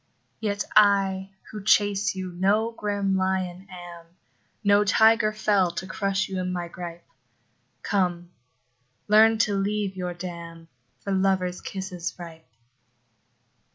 Yet I, who chase you, no grim lion am, No tiger fell, to crush you in my gripe: Come, learn to leave your dam, For lover's kisses ripe.